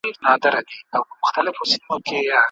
فقط شکل مو بدل دی د دامونو